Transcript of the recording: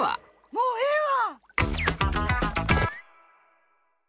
もうええわ！